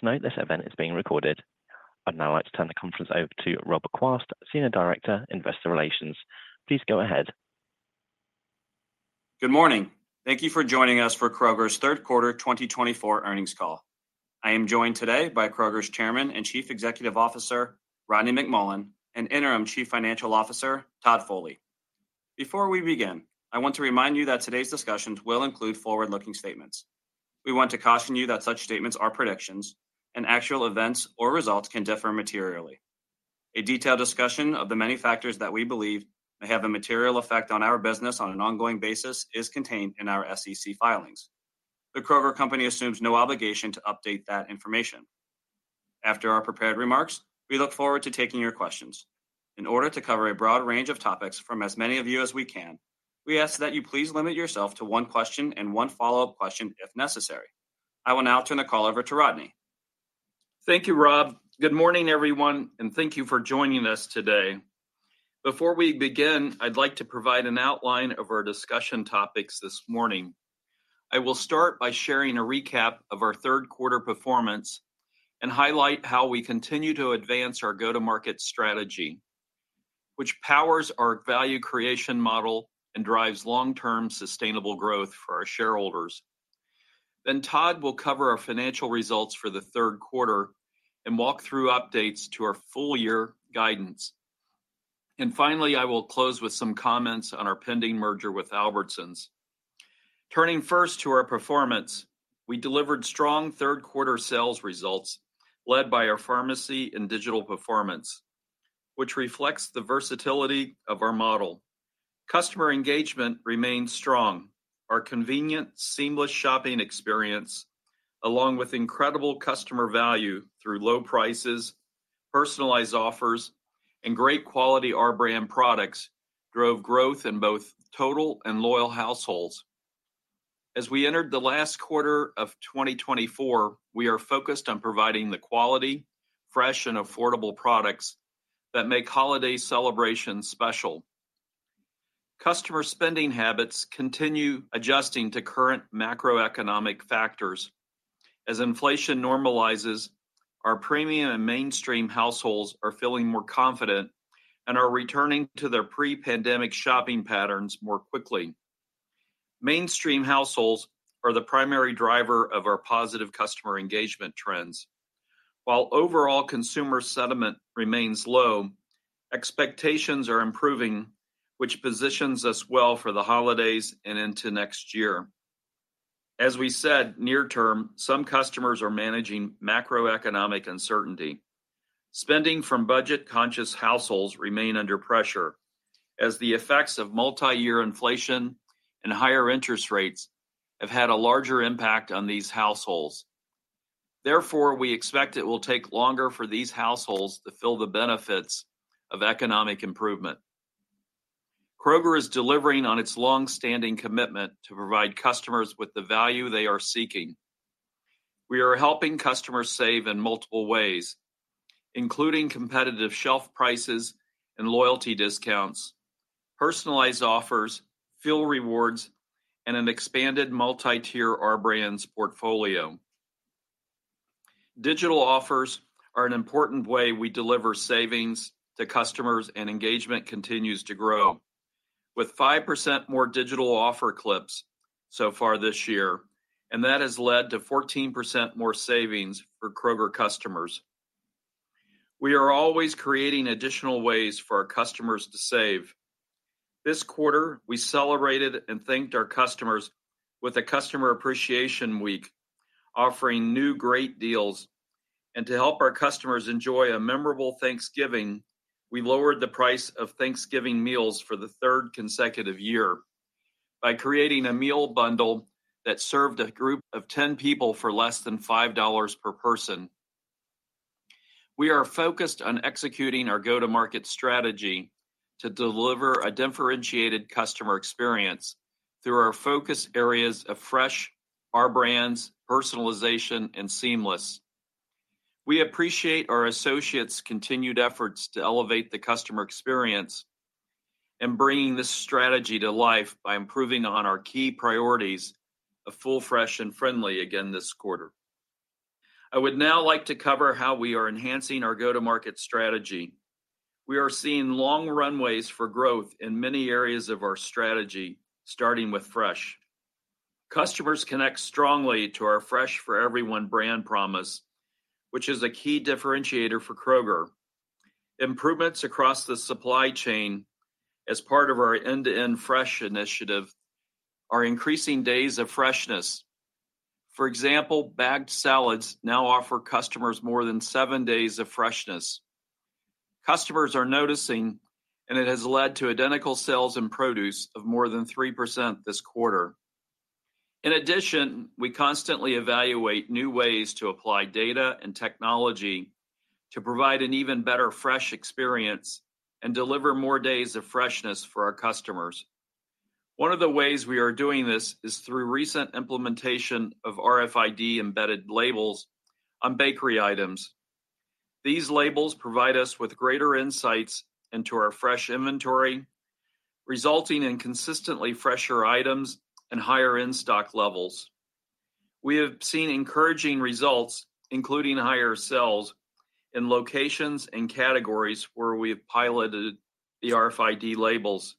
Please note this event is being recorded. I'd now like to turn the conference over to Robert Quast, Senior Director, Investor Relations. Please go ahead. Good morning. Thank you for joining us for Kroger's Third Quarter 2024 earnings call. I am joined today by Kroger's Chairman and Chief Executive Officer, Rodney McMullen, and Interim Chief Financial Officer, Todd Foley. Before we begin, I want to remind you that today's discussions will include forward-looking statements. We want to caution you that such statements are predictions, and actual events or results can differ materially. A detailed discussion of the many factors that we believe may have a material effect on our business on an ongoing basis is contained in our SEC filings. The Kroger Company assumes no obligation to update that information. After our prepared remarks, we look forward to taking your questions. In order to cover a broad range of topics from as many of you as we can, we ask that you please limit yourself to one question and one follow-up question if necessary. I will now turn the call over to Rodney. Thank you, Rob. Good morning, everyone, and thank you for joining us today. Before we begin, I'd like to provide an outline of our discussion topics this morning. I will start by sharing a recap of our third quarter performance and highlight how we continue to advance our go-to-market strategy, which powers our value creation model and drives long-term sustainable growth for our shareholders. Then Todd will cover our financial results for the third quarter and walk through updates to our full-year guidance. And finally, I will close with some comments on our pending merger with Albertsons. Turning first to our performance, we delivered strong third-quarter sales results led by our pharmacy and digital performance, which reflects the versatility of our model. Customer engagement remained strong. Our convenient, seamless shopping experience, along with incredible customer value through low prices, personalized offers, and great quality Our Brands products drove growth in both total and loyal households. As we entered the last quarter of 2024, we are focused on providing the quality, fresh, and affordable products that make holiday celebrations special. Customer spending habits continue adjusting to current macroeconomic factors. As inflation normalizes, our premium and mainstream households are feeling more confident and are returning to their pre-pandemic shopping patterns more quickly. Mainstream households are the primary driver of our positive customer engagement trends. While overall consumer sentiment remains low, expectations are improving, which positions us well for the holidays and into next year. As we've said, in the near-term, some customers are managing macroeconomic uncertainty. Spending from budget-conscious households remains under pressure as the effects of multi-year inflation and higher interest rates have had a larger impact on these households. Therefore, we expect it will take longer for these households to feel the benefits of economic improvement. Kroger is delivering on its long-standing commitment to provide customers with the value they are seeking. We are helping customers save in multiple ways, including competitive shelf prices and loyalty discounts, personalized offers, fuel rewards, and an expanded multi-tier Our Brands portfolio. Digital offers are an important way we deliver savings to customers, and engagement continues to grow with 5% more digital offer clips so far this year, and that has led to 14% more savings for Kroger customers. We are always creating additional ways for our customers to save. This quarter, we celebrated and thanked our customers with a customer appreciation week, offering new great deals. And to help our customers enjoy a memorable Thanksgiving, we lowered the price of Thanksgiving meals for the third consecutive year by creating a meal bundle that served a group of 10 people for less than $5 per person. We are focused on executing our go-to-market strategy to deliver a differentiated customer experience through our focus areas of fresh, Our Brands, personalization, and seamless. We appreciate our associates' continued efforts to elevate the customer experience and bringing this strategy to life by improving on our key priorities of full, fresh, and friendly again this quarter. I would now like to cover how we are enhancing our go-to-market strategy. We are seeing long runways for growth in many areas of our strategy, starting with fresh. Customers connect strongly to our fresh-for-everyone brand promise, which is a key differentiator for Kroger. Improvements across the supply chain as part of our end-to-end fresh initiative are increasing days of freshness. For example, bagged salads now offer customers more than seven days of freshness. Customers are noticing, and it has led to identical sales in produce of more than 3% this quarter. In addition, we constantly evaluate new ways to apply data and technology to provide an even better fresh experience and deliver more days of freshness for our customers. One of the ways we are doing this is through recent implementation of RFID-embedded labels on bakery items. These labels provide us with greater insights into our fresh inventory, resulting in consistently fresher items and higher in-stock levels. We have seen encouraging results, including higher sales in locations and categories where we have piloted the RFID labels,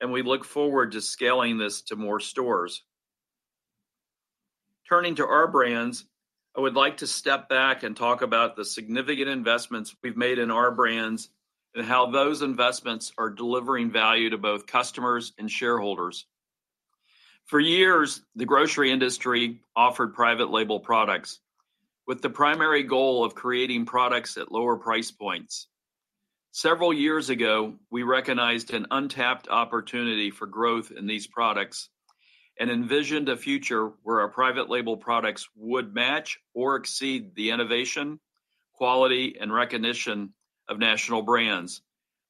and we look forward to scaling this to more stores. Turning to Our Brands, I would like to step back and talk about the significant investments we've made in Our Brands and how those investments are delivering value to both customers and shareholders. For years, the grocery industry offered private label products with the primary goal of creating products at lower price points. Several years ago, we recognized an untapped opportunity for growth in these products and envisioned a future where our private label products would match or exceed the innovation, quality, and recognition of national brands,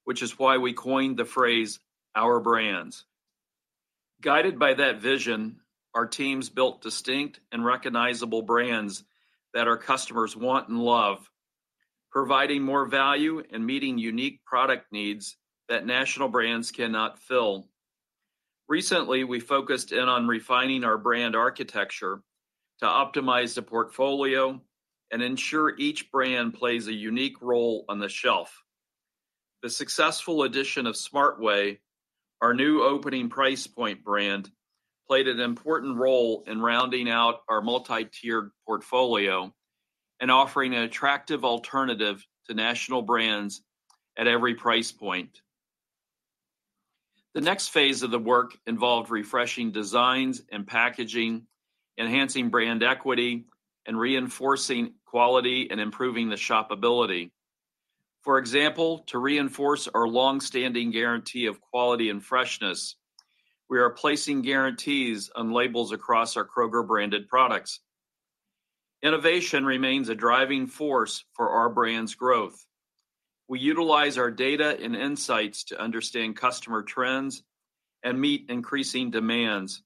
which is why we coined the phrase Our Brands. Guided by that vision, our teams built distinct and recognizable brands that our customers want and love, providing more value and meeting unique product needs that national brands cannot fill. Recently, we focused in on refining our brand architecture to optimize the portfolio and ensure each brand plays a unique role on the shelf. The successful addition of Smart Way, our new opening price point brand, played an important role in rounding out our multi-tiered portfolio and offering an attractive alternative to national brands at every price point. The next phase of the work involved refreshing designs and packaging, enhancing brand equity, and reinforcing quality and improving the shoppability. For example, to reinforce our long-standing guarantee of quality and freshness, we are placing guarantees on labels across our Kroger branded products. Innovation remains a driving force for our brand's growth. We utilize our data and insights to understand customer trends and meet increasing demands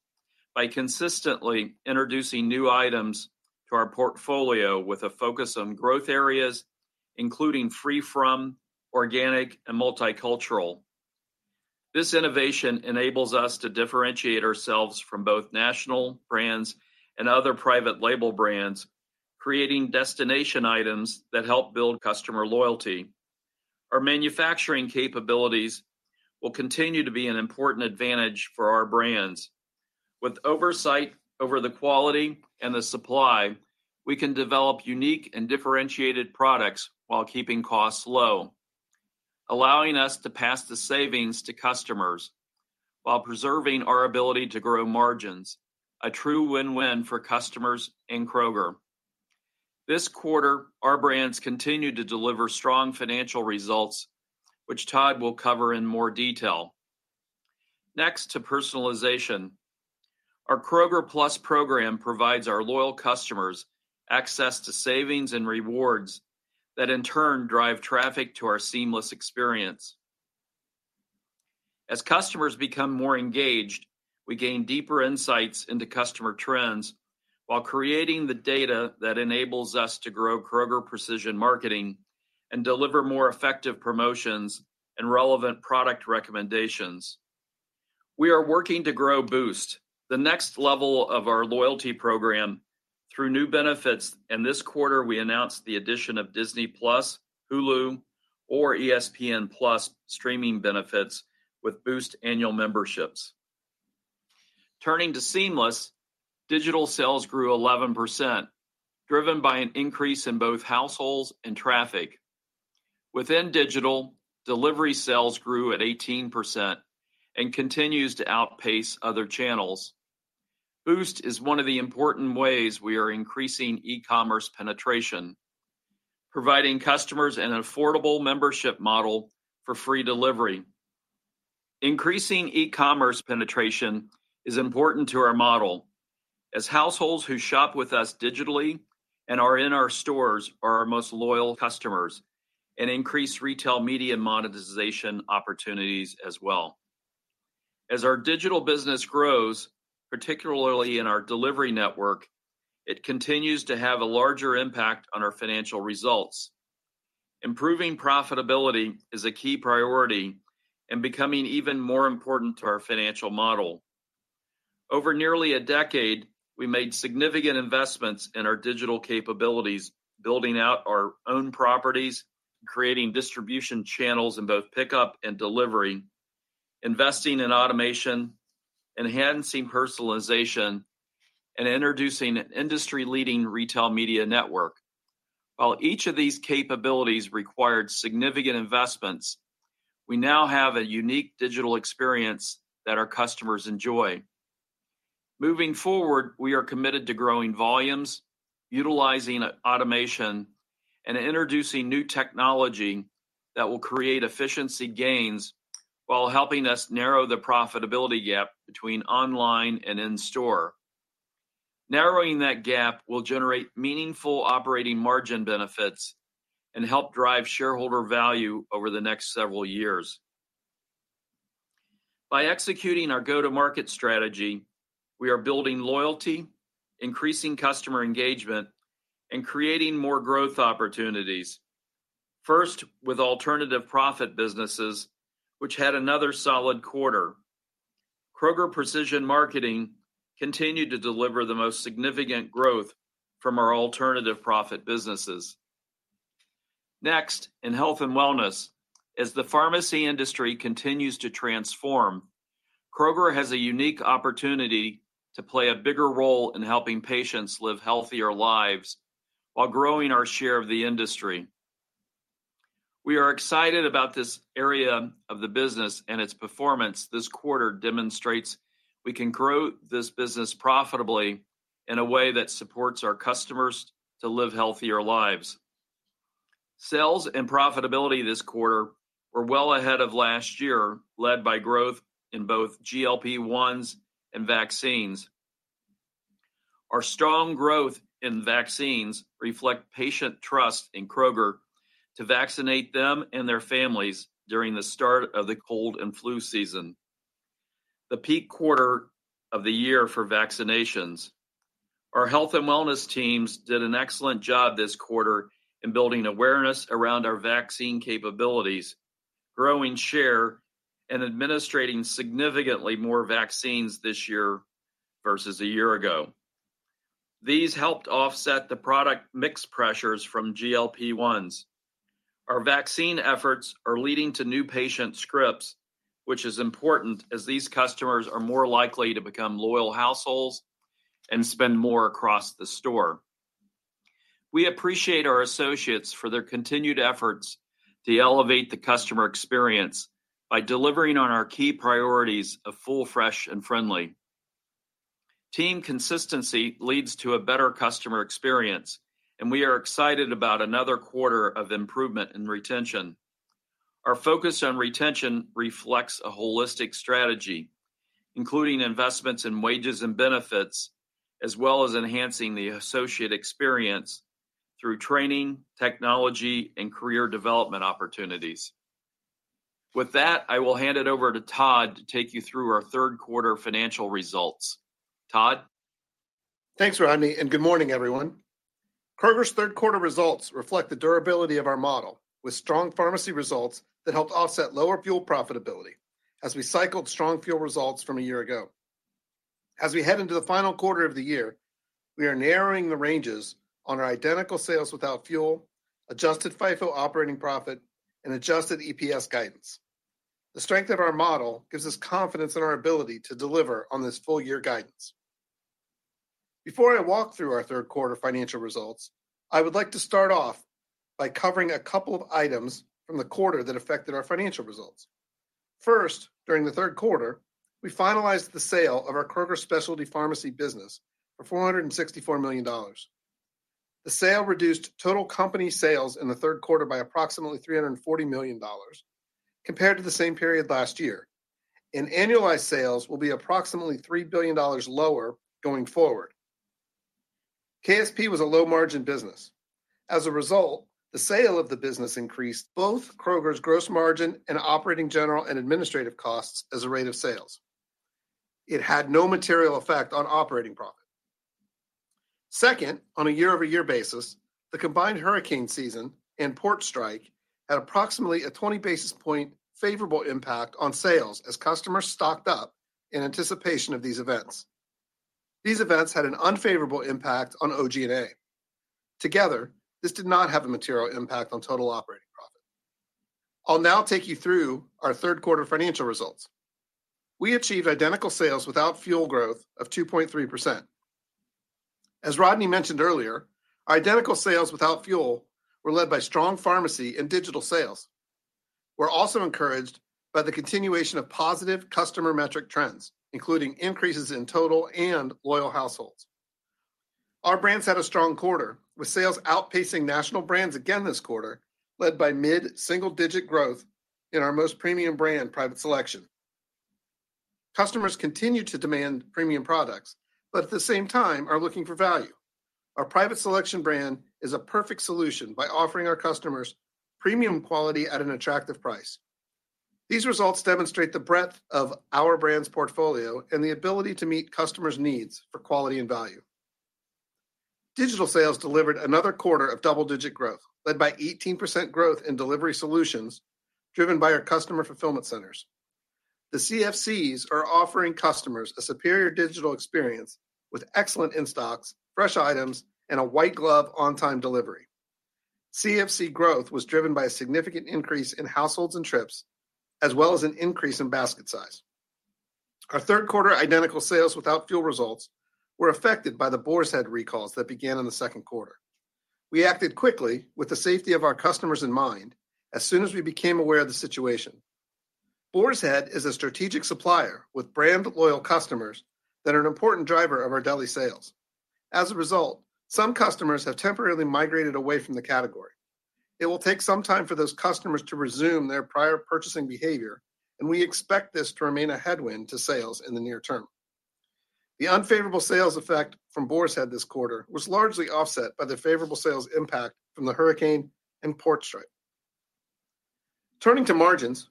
by consistently introducing new items to our portfolio with a focus on growth areas, including free from, organic, and multicultural. This innovation enables us to differentiate ourselves from both national brands and other private label brands, creating destination items that help build customer loyalty. Our manufacturing capabilities will continue to be an important advantage for our brands. With oversight over the quality and the supply, we can develop unique and differentiated products while keeping costs low, allowing us to pass the savings to customers while preserving our ability to grow margins, a true win-win for customers and Kroger. This quarter, our brands continue to deliver strong financial results, which Todd will cover in more detail. Next to personalization, our Kroger Plus program provides our loyal customers access to savings and rewards that in turn drive traffic to our Seamless experience. As customers become more engaged, we gain deeper insights into customer trends while creating the data that enables us to grow Kroger Precision Marketing and deliver more effective promotions and relevant product recommendations. We are working to grow Boost, the next level of our loyalty program, through new benefits. This quarter, we announced the addition of Disney+, Hulu, or ESPN+ streaming benefits with Boost annual memberships. Turning to Seamless, digital sales grew 11%, driven by an increase in both households and traffic. Within digital, delivery sales grew at 18% and continues to outpace other channels. Boost is one of the important ways we are increasing e-commerce penetration, providing customers an affordable membership model for free delivery. Increasing e-commerce penetration is important to our model as households who shop with us digitally and are in our stores are our most loyal customers and increase retail media monetization opportunities as well. As our digital business grows, particularly in our delivery network, it continues to have a larger impact on our financial results. Improving profitability is a key priority and becoming even more important to our financial model. Over nearly a decade, we made significant investments in our digital capabilities, building out our own properties, creating distribution channels in both pickup and delivery, investing in automation, enhancing personalization, and introducing an industry-leading retail media network. While each of these capabilities required significant investments, we now have a unique digital experience that our customers enjoy. Moving forward, we are committed to growing volumes, utilizing automation, and introducing new technology that will create efficiency gains while helping us narrow the profitability gap between online and in-store. Narrowing that gap will generate meaningful operating margin benefits and help drive shareholder value over the next several years. By executing our go-to-market strategy, we are building loyalty, increasing customer engagement, and creating more growth opportunities, first with alternative profit businesses, which had another solid quarter. Kroger Precision Marketing continued to deliver the most significant growth from our alternative profit businesses. Next, in health and wellness, as the pharmacy industry continues to transform, Kroger has a unique opportunity to play a bigger role in helping patients live healthier lives while growing our share of the industry. We are excited about this area of the business and its performance. This quarter demonstrates we can grow this business profitably in a way that supports our customers to live healthier lives. Sales and profitability this quarter were well ahead of last year, led by growth in both GLP-1s and vaccines. Our strong growth in vaccines reflects patient trust in Kroger to vaccinate them and their families during the start of the cold and flu season, the peak quarter of the year for vaccinations. Our health and wellness teams did an excellent job this quarter in building awareness around our vaccine capabilities, growing share, and administering significantly more vaccines this year versus a year ago. These helped offset the product mix pressures from GLP-1s. Our vaccine efforts are leading to new patient scripts, which is important as these customers are more likely to become loyal households and spend more across the store. We appreciate our associates for their continued efforts to elevate the customer experience by delivering on our key priorities of full, fresh, and friendly. Team consistency leads to a better customer experience, and we are excited about another quarter of improvement in retention. Our focus on retention reflects a holistic strategy, including investments in wages and benefits, as well as enhancing the associate experience through training, technology, and career development opportunities. With that, I will hand it over to Todd to take you through our third quarter financial results. Todd? Thanks, Rodney, and good morning, everyone. Kroger's third quarter results reflect the durability of our model with strong pharmacy results that helped offset lower fuel profitability as we cycled strong fuel results from a year ago. As we head into the final quarter of the year, we are narrowing the ranges on our identical sales without fuel, adjusted FIFO operating profit, and adjusted EPS guidance. The strength of our model gives us confidence in our ability to deliver on this full year guidance. Before I walk through our third quarter financial results, I would like to start off by covering a couple of items from the quarter that affected our financial results. First, during the third quarter, we finalized the sale of our Kroger Specialty Pharmacy business for $464 million. The sale reduced total company sales in the third quarter by approximately $340 million compared to the same period last year. And annualized sales will be approximately $3 billion lower going forward. KSP was a low-margin business. As a result, the sale of the business increased both Kroger's gross margin and operating general and administrative costs as a rate of sales. It had no material effect on operating profit. Second, on a year-over-year basis, the combined hurricane season and port strike had approximately a 20 basis point favorable impact on sales as customers stocked up in anticipation of these events. These events had an unfavorable impact on OG&A. Together, this did not have a material impact on total operating profit. I'll now take you through our third quarter financial results. We achieved identical sales without fuel growth of 2.3%. As Rodney mentioned earlier, our identical sales without fuel were led by strong pharmacy and digital sales. We're also encouraged by the continuation of positive customer metric trends, including increases in total and loyal households. Our Brands had a strong quarter with sales outpacing national brands again this quarter, led by mid-single-digit growth in our most premium brand, Private Selection. Customers continue to demand premium products, but at the same time are looking for value. Our Private Selection brand is a perfect solution by offering our customers premium quality at an attractive price. These results demonstrate the breadth of Our Brands' portfolio and the ability to meet customers' needs for quality and value. Digital sales delivered another quarter of double-digit growth, led by 18% growth in delivery solutions driven by our customer fulfillment centers. The CFCs are offering customers a superior digital experience with excellent in-stocks, fresh items, and a white glove on-time delivery. CFC growth was driven by a significant increase in households and trips, as well as an increase in basket size. Our third quarter identical sales without fuel results were affected by the Boar's Head recalls that began in the second quarter. We acted quickly with the safety of our customers in mind as soon as we became aware of the situation. Boar's Head is a strategic supplier with brand loyal customers that are an important driver of our deli sales. As a result, some customers have temporarily migrated away from the category. It will take some time for those customers to resume their prior purchasing behavior, and we expect this to remain a headwind to sales in the near term. The unfavorable sales effect from Boar's Head this quarter was largely offset by the favorable sales impact from the hurricane and port strike. Turning to margins,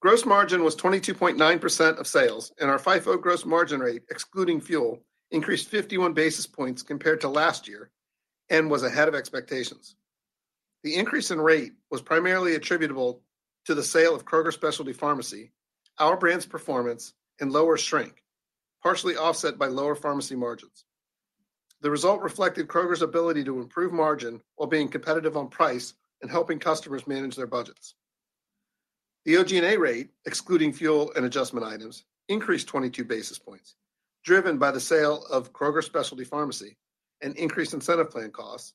gross margin was 22.9% of sales, and our FIFO gross margin rate, excluding fuel, increased 51 basis points compared to last year and was ahead of expectations. The increase in rate was primarily attributable to the sale of Kroger Specialty Pharmacy, Our Brands' performance, and lower shrink, partially offset by lower pharmacy margins. The result reflected Kroger's ability to improve margin while being competitive on price and helping customers manage their budgets. The OG&A rate, excluding fuel and adjustment items, increased 22 basis points, driven by the sale of Kroger Specialty Pharmacy and increased incentive plan costs,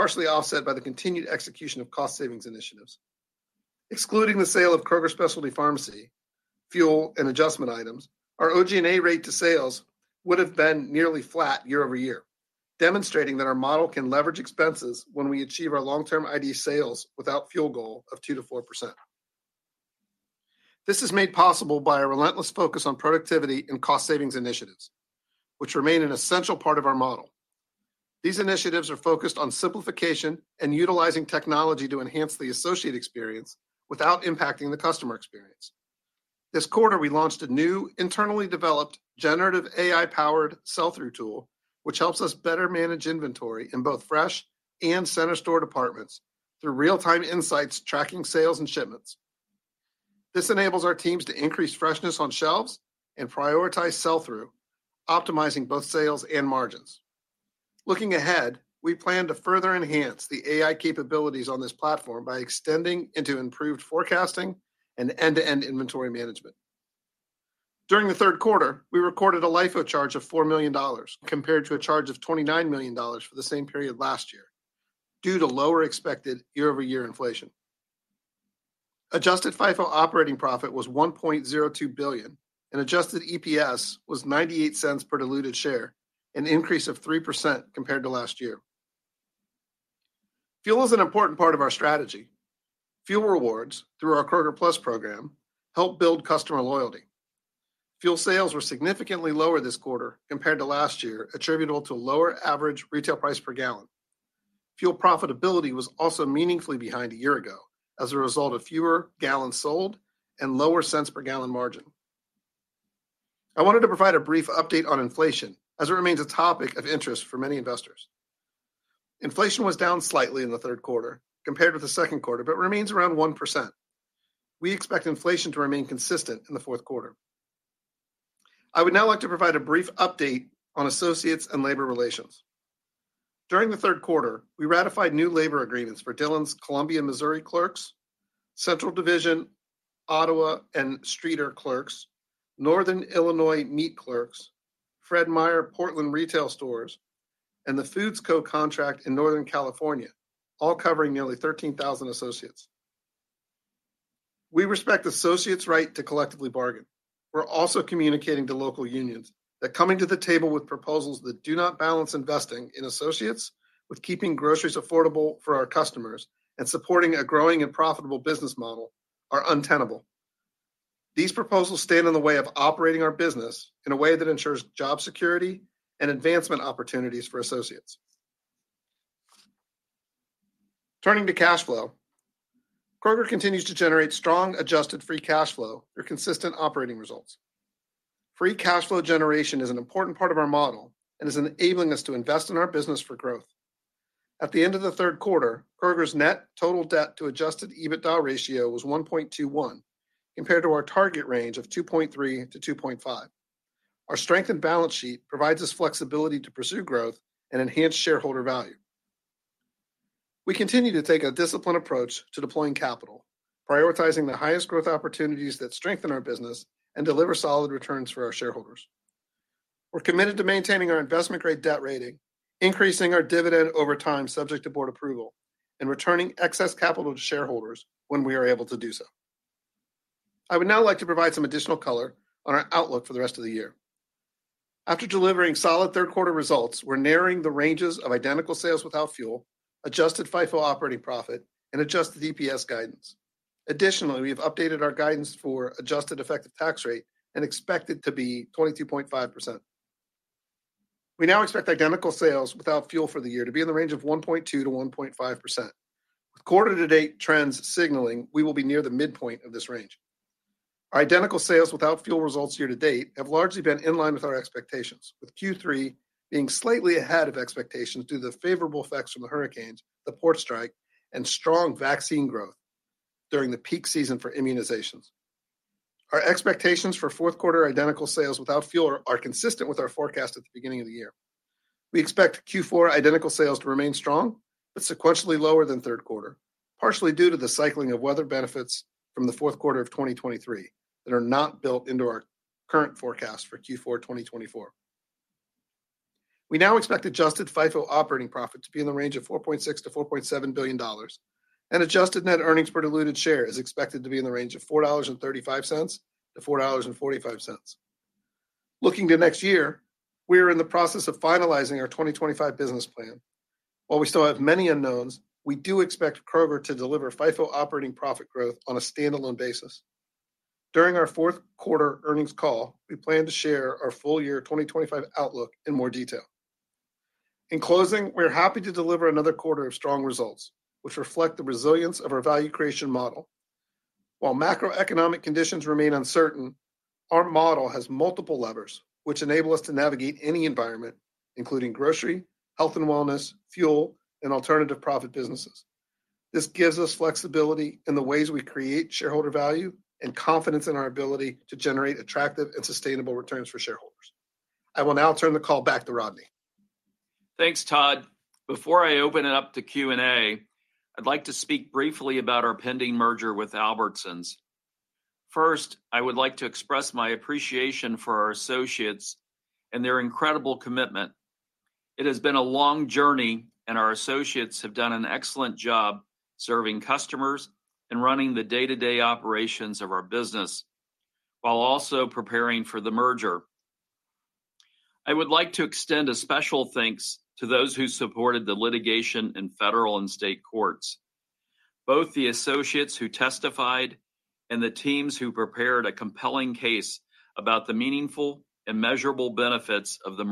partially offset by the continued execution of cost savings initiatives. Excluding the sale of Kroger Specialty Pharmacy, fuel, and adjustment items, our OG&A rate to sales would have been nearly flat year over year, demonstrating that our model can leverage expenses when we achieve our long-term ideal sales without fuel goal of 2%-4%. This is made possible by a relentless focus on productivity and cost savings initiatives, which remain an essential part of our model. These initiatives are focused on simplification and utilizing technology to enhance the associate experience without impacting the customer experience. This quarter, we launched a new internally developed generative AI-powered sell-through tool, which helps us better manage inventory in both fresh and center store departments through real-time insights tracking sales and shipments. This enables our teams to increase freshness on shelves and prioritize sell-through, optimizing both sales and margins. Looking ahead, we plan to further enhance the AI capabilities on this platform by extending into improved forecasting and end-to-end inventory management. During the third quarter, we recorded a LIFO charge of $4 million compared to a charge of $29 million for the same period last year due to lower expected year-over-year inflation. Adjusted FIFO operating profit was $1.02 billion, and adjusted EPS was $0.98 per diluted share, an increase of 3% compared to last year. Fuel is an important part of our strategy. Fuel rewards through our Kroger Plus program help build customer loyalty. Fuel sales were significantly lower this quarter compared to last year, attributable to a lower average retail price per gallon. Fuel profitability was also meaningfully behind a year ago as a result of fewer gallons sold and lower cents per gallon margin. I wanted to provide a brief update on inflation as it remains a topic of interest for many investors. Inflation was down slightly in the third quarter compared with the second quarter, but remains around 1%. We expect inflation to remain consistent in the fourth quarter. I would now like to provide a brief update on associates and labor relations. During the third quarter, we ratified new labor agreements for Dillons Columbia, Missouri clerks, Central Division, Ottawa and Streator clerks, Northern Illinois Meat clerks, Fred Meyer Portland retail stores, and the Foods Co contract in Northern California, all covering nearly 13,000 associates. We respect associates' right to collectively bargain. We're also communicating to local unions that coming to the table with proposals that do not balance investing in associates with keeping groceries affordable for our customers and supporting a growing and profitable business model are untenable. These proposals stand in the way of operating our business in a way that ensures job security and advancement opportunities for associates. Turning to cash flow, Kroger continues to generate strong adjusted free cash flow through consistent operating results. Free cash flow generation is an important part of our model and is enabling us to invest in our business for growth. At the end of the third quarter, Kroger's net total debt to adjusted EBITDA ratio was 1.21 compared to our target range of 2.3-2.5. Our strength and balance sheet provides us flexibility to pursue growth and enhance shareholder value. We continue to take a disciplined approach to deploying capital, prioritizing the highest growth opportunities that strengthen our business and deliver solid returns for our shareholders. We're committed to maintaining our investment-grade debt rating, increasing our dividend over time subject to board approval, and returning excess capital to shareholders when we are able to do so. I would now like to provide some additional color on our outlook for the rest of the year. After delivering solid third quarter results, we're narrowing the ranges of identical sales without fuel, adjusted FIFO operating profit, and adjusted EPS guidance. Additionally, we have updated our guidance for adjusted effective tax rate and expect it to be 22.5%. We now expect identical sales without fuel for the year to be in the range of 1.2%-1.5%. With quarter-to-date trends signaling, we will be near the midpoint of this range. Our identical sales without fuel results year to date have largely been in line with our expectations, with Q3 being slightly ahead of expectations due to the favorable effects from the hurricanes, the port strike, and strong vaccine growth during the peak season for immunizations. Our expectations for fourth quarter identical sales without fuel are consistent with our forecast at the beginning of the year. We expect Q4 identical sales to remain strong, but sequentially lower than third quarter, partially due to the cycling of weather benefits from the fourth quarter of 2023 that are not built into our current forecast for Q4 2024. We now expect adjusted FIFO operating profit to be in the range of $4.6 billion-$4.7 billion, and adjusted net earnings per diluted share is expected to be in the range of $4.35-$4.45. Looking to next year, we are in the process of finalizing our 2025 business plan. While we still have many unknowns, we do expect Kroger to deliver FIFO operating profit growth on a standalone basis. During our fourth quarter earnings call, we plan to share our full year 2025 outlook in more detail. In closing, we're happy to deliver another quarter of strong results, which reflect the resilience of our value creation model. While macroeconomic conditions remain uncertain, our model has multiple levers, which enable us to navigate any environment, including grocery, health and wellness, fuel, and alternative profit businesses. This gives us flexibility in the ways we create shareholder value and confidence in our ability to generate attractive and sustainable returns for shareholders. I will now turn the call back to Rodney. Thanks, Todd. Before I open it up to Q&A, I'd like to speak briefly about our pending merger with Albertsons. First, I would like to express my appreciation for our associates and their incredible commitment. It has been a long journey, and our associates have done an excellent job serving customers and running the day-to-day operations of our business while also preparing for the merger. I would like to extend a special thanks to those who supported the litigation in federal and state courts, both the associates who testified and the teams who prepared a compelling case about the meaningful and measurable benefits of the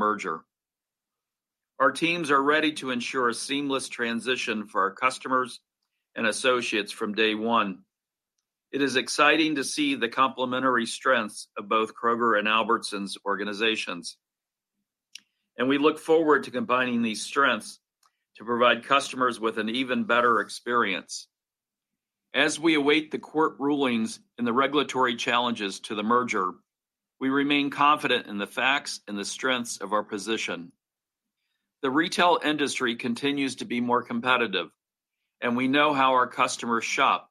merger. Our teams are ready to ensure a seamless transition for our customers and associates from day one. It is exciting to see the complementary strengths of both Kroger and Albertsons organizations, and we look forward to combining these strengths to provide customers with an even better experience. As we await the court rulings and the regulatory challenges to the merger, we remain confident in the facts and the strengths of our position. The retail industry continues to be more competitive, and we know how our customers shop.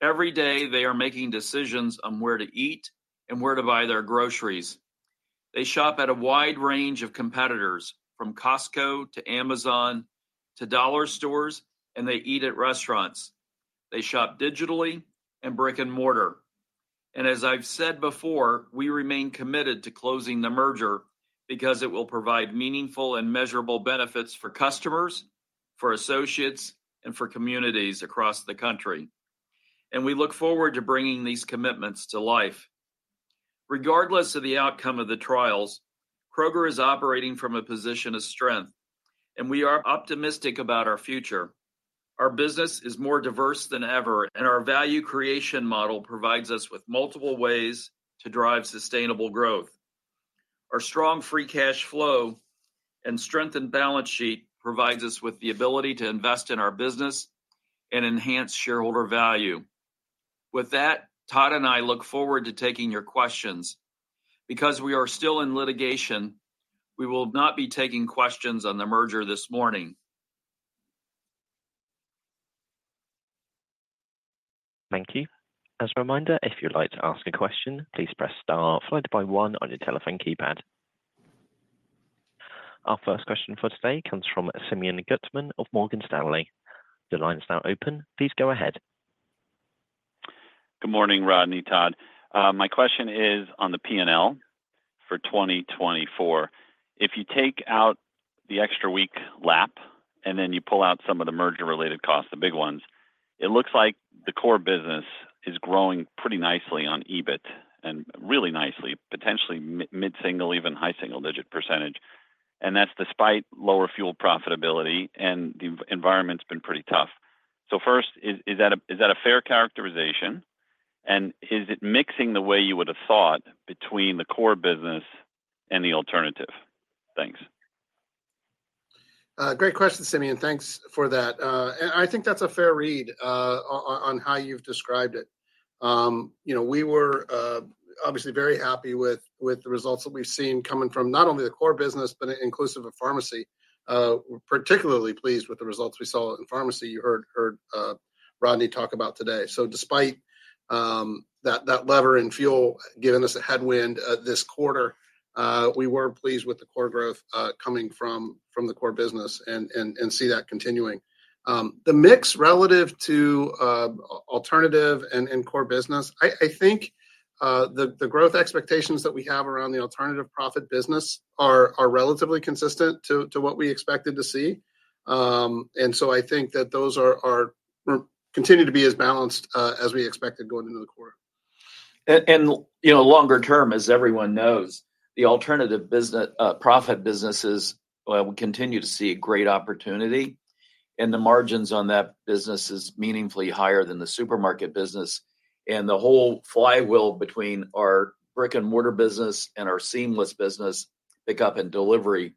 Every day, they are making decisions on where to eat and where to buy their groceries. They shop at a wide range of competitors, from Costco to Amazon to dollar stores, and they eat at restaurants. They shop digitally and brick and mortar. As I've said before, we remain committed to closing the merger because it will provide meaningful and measurable benefits for customers, for associates, and for communities across the country. And we look forward to bringing these commitments to life. Regardless of the outcome of the trials, Kroger is operating from a position of strength, and we are optimistic about our future. Our business is more diverse than ever, and our value creation model provides us with multiple ways to drive sustainable growth. Our strong free cash flow and strengthened balance sheet provide us with the ability to invest in our business and enhance shareholder value. With that, Todd and I look forward to taking your questions. Because we are still in litigation, we will not be taking questions on the merger this morning. Thank you. As a reminder, if you'd like to ask a question, please press star followed by one on your telephone keypad. Our first question for today comes from Simeon Gutman of Morgan Stanley. The line is now open. Please go ahead. Good morning, Rodney, Todd. My question is on the P&L for 2024. If you take out the extra week lap and then you pull out some of the merger-related costs, the big ones, it looks like the core business is growing pretty nicely on EBIT and really nicely, potentially mid-single-digit, even high-single-digit %. And that's despite lower fuel profitability, and the environment's been pretty tough. So first, is that a fair characterization? And is it mixing the way you would have thought between the core business and the alternative? Thanks. Great question, Simeon. Thanks for that. And I think that's a fair read on how you've described it. We were obviously very happy with the results that we've seen coming from not only the core business, but inclusive of pharmacy. We're particularly pleased with the results we saw in pharmacy, you heard Rodney talk about today. So despite that lever in fuel giving us a headwind this quarter, we were pleased with the core growth coming from the core business and see that continuing. The mix relative to alternative and core business, I think the growth expectations that we have around the alternative profit business are relatively consistent to what we expected to see. And so I think that those continue to be as balanced as we expected going into the quarter. And longer term, as everyone knows, the alternative profit businesses, we continue to see a great opportunity. And the margins on that business is meaningfully higher than the supermarket business. And the whole flywheel between our brick and mortar business and our seamless business, pickup and delivery,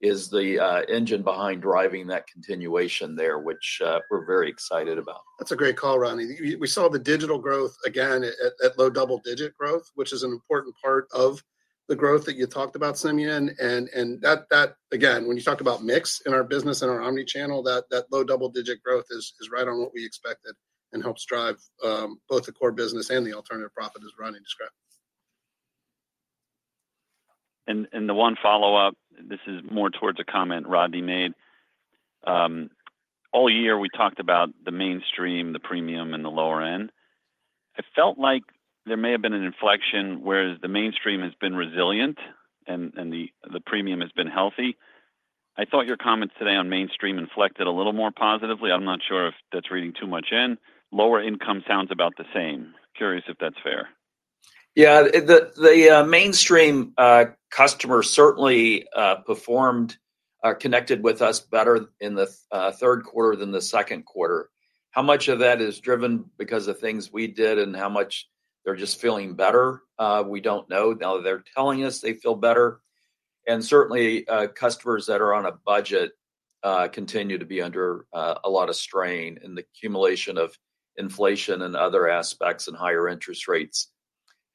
is the engine behind driving that continuation there, which we're very excited about. That's a great call, Rodney. We saw the digital growth again at low double-digit growth, which is an important part of the growth that you talked about, Simeon. And that, again, when you talk about mix in our business and our omnichannel, that low double-digit growth is right on what we expected and helps drive both the core business and the alternative profit as Rodney described. And the one follow-up, this is more towards a comment Rodney made. All year, we talked about the mainstream, the premium, and the lower end. I felt like there may have been an inflection whereas the mainstream has been resilient and the premium has been healthy. I thought your comments today on mainstream inflected a little more positively. I'm not sure if that's reading too much in. Lower income sounds about the same. Curious if that's fair. Yeah. The mainstream customers certainly performed, connected with us better in the third quarter than the second quarter. How much of that is driven because of things we did and how much they're just feeling better? We don't know. Now that they're telling us they feel better, and certainly, customers that are on a budget continue to be under a lot of strain, and the accumulation of inflation and other aspects and higher interest rates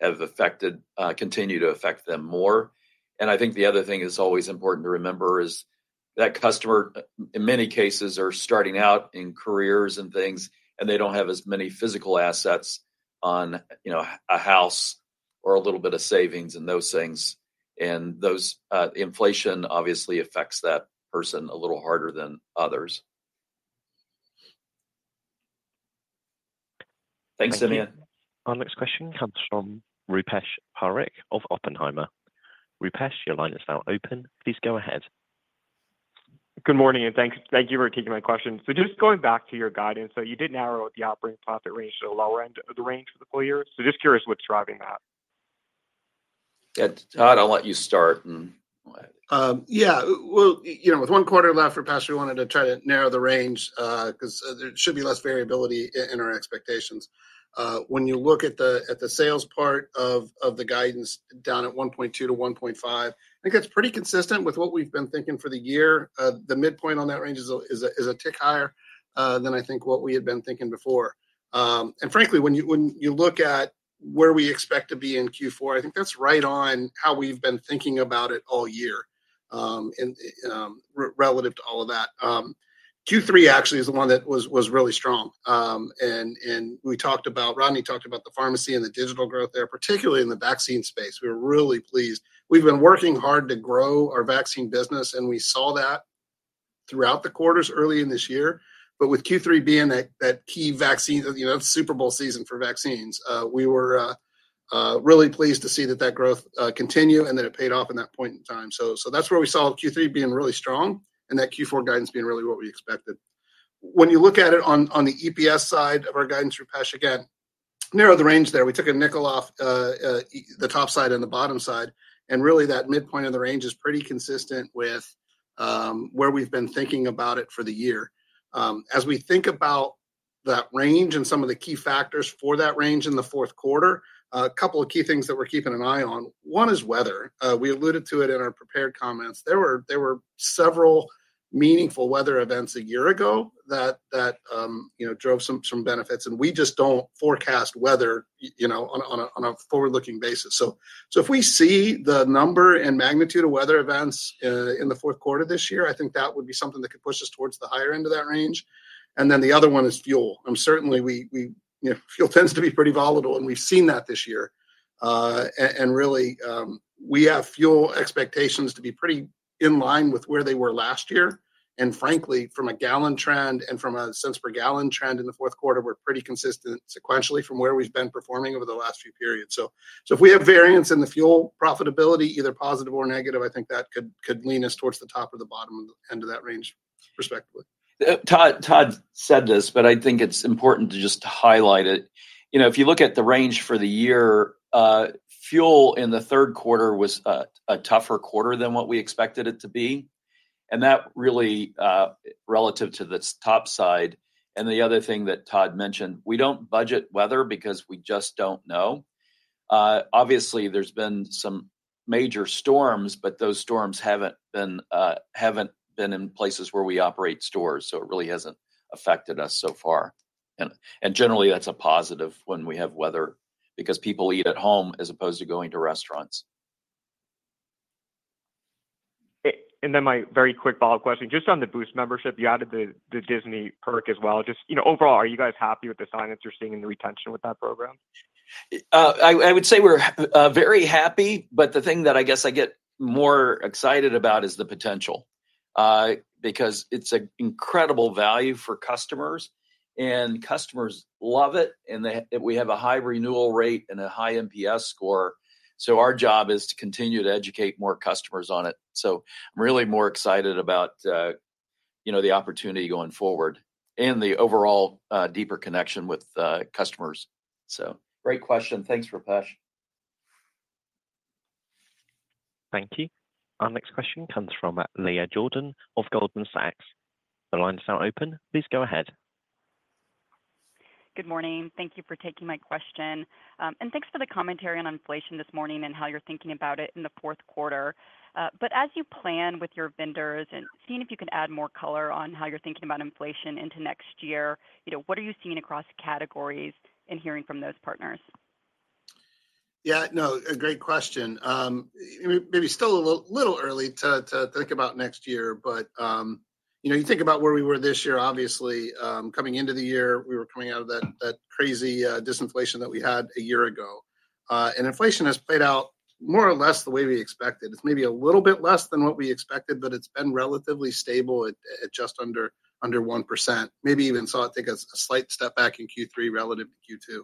have affected, continue to affect them more, and I think the other thing that's always important to remember is that customers, in many cases, are starting out in careers and things, and they don't have as many physical assets on a house or a little bit of savings and those things. And the inflation obviously affects that person a little harder than others. Thanks, Simeon. Our next question comes from Rupesh Parikh of Oppenheimer. Rupesh, your line is now open. Please go ahead. Good morning, and thank you for taking my question, so just going back to your guidance, so you did narrow the operating profit range to the lower end of the range for the full year, so just curious what's driving that. Todd, I'll let you start. Yeah, well, with one quarter left forecast, we wanted to try to narrow the range because there should be less variability in our expectations. When you look at the sales part of the guidance down at 1.2%-1.5%, I think that's pretty consistent with what we've been thinking for the year. The midpoint on that range is a tick higher than I think what we had been thinking before. And frankly, when you look at where we expect to be in Q4, I think that's right on how we've been thinking about it all year relative to all of that. Q3 actually is the one that was really strong. And Rodney talked about the pharmacy and the digital growth there, particularly in the vaccine space. We were really pleased. We've been working hard to grow our vaccine business, and we saw that throughout the quarters early in this year. But with Q3 being that key vaccine, that's Super Bowl season for vaccines, we were really pleased to see that that growth continue and that it paid off in that point in time. So that's where we saw Q3 being really strong and that Q4 guidance being really what we expected. When you look at it on the EPS side of our guidance through past, again, narrow the range there. We took $0.05 off the top side and the bottom side, and really, that midpoint of the range is pretty consistent with where we've been thinking about it for the year. As we think about that range and some of the key factors for that range in the fourth quarter, a couple of key things that we're keeping an eye on. One is weather. We alluded to it in our prepared comments. There were several meaningful weather events a year ago that drove some benefits, and we just don't forecast weather on a forward-looking basis, so if we see the number and magnitude of weather events in the fourth quarter this year, I think that would be something that could push us towards the higher end of that range, and then the other one is fuel. Fuel certainly tends to be pretty volatile, and we've seen that this year. And really, we have fuel expectations to be pretty in line with where they were last year. And frankly, from a gallon trend and from a cents per gallon trend in the fourth quarter, we're pretty consistent sequentially from where we've been performing over the last few periods. So if we have variance in the fuel profitability, either positive or negative, I think that could lean us towards the top or the bottom end of that range respectively. Todd said this, but I think it's important to just highlight it. If you look at the range for the year, fuel in the third quarter was a tougher quarter than what we expected it to be. And that really relative to the top side. The other thing that Todd mentioned, we don't budget weather because we just don't know. Obviously, there's been some major storms, but those storms haven't been in places where we operate stores. So it really hasn't affected us so far. Generally, that's a positive when we have weather because people eat at home as opposed to going to restaurants. My very quick follow-up question. Just on the Boost membership, you added the Disney perk as well. Just overall, are you guys happy with the sign-ups you're seeing and the retention with that program? I would say we're very happy, but the thing that I guess I get more excited about is the potential because it's an incredible value for customers, and customers love it. We have a high renewal rate and a high NPS score. So our job is to continue to educate more customers on it. So I'm really more excited about the opportunity going forward and the overall deeper connection with customers. So great question. Thanks, Rupesh. Thank you. Our next question comes from Leah Jordan of Goldman Sachs. The line is now open. Please go ahead. Good morning. Thank you for taking my question. And thanks for the commentary on inflation this morning and how you're thinking about it in the fourth quarter. But as you plan with your vendors and seeing if you can add more color on how you're thinking about inflation into next year, what are you seeing across categories and hearing from those partners? Yeah. No, a great question. Maybe still a little early to think about next year, but you think about where we were this year, obviously. Coming into the year, we were coming out of that crazy disinflation that we had a year ago and inflation has played out more or less the way we expected. It's maybe a little bit less than what we expected, but it's been relatively stable at just under 1%. Maybe even saw it take a slight step back in Q3 relative to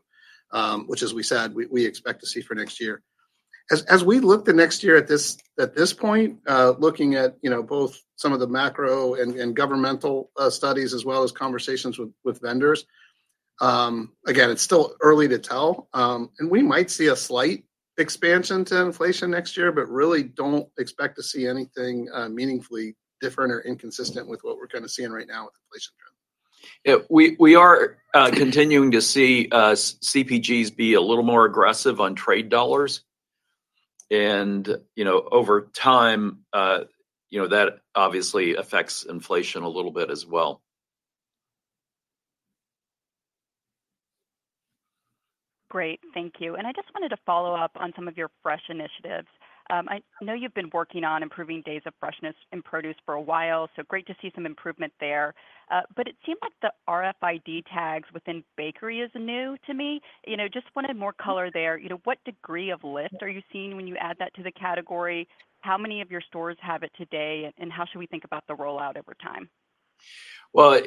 Q2, which, as we said, we expect to see for next year. As we look to next year at this point, looking at both some of the macro and governmental studies as well as conversations with vendors, again, it's still early to tell and we might see a slight expansion to inflation next year, but really don't expect to see anything meaningfully different or inconsistent with what we're kind of seeing right now with inflation trends. We are continuing to see CPGs be a little more aggressive on trade dollars. And over time, that obviously affects inflation a little bit as well. Great. Thank you. And I just wanted to follow up on some of your fresh initiatives. I know you've been working on improving days of freshness in produce for a while, so great to see some improvement there. But it seemed like the RFID tags within bakery is new to me. Just wanted more color there. What degree of lift are you seeing when you add that to the category? How many of your stores have it today, and how should we think about the rollout over time? Well,